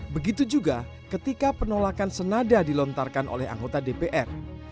begitu juga ketika penolakan senada dilontarkan oleh anggota dpr